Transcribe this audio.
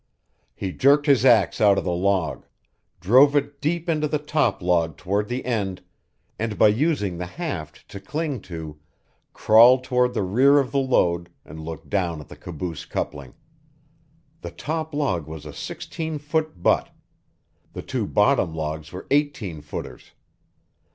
He jerked his axe out of the log, drove it deep into the top log toward the end, and by using the haft to cling to, crawled toward the rear of the load and looked down at the caboose coupling. The top log was a sixteen foot butt; the two bottom logs were eighteen footers.